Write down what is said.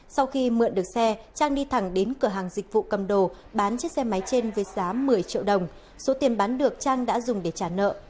sau khi mượn được xe trang đi thẳng đến cửa hàng dịch vụ cầm đồ bán chiếc xe máy trên với giá một mươi triệu đồng số tiền bán được trang đã dùng để trả nợ